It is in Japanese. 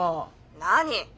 ☎何？